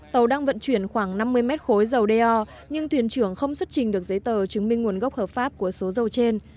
tàu đang vận chuyển khoảng năm mươi mét khối dầu đeo nhưng thuyền trưởng không xuất trình được giấy tờ chứng minh nguồn gốc hợp pháp của số dầu trên